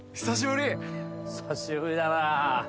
久しぶりだな。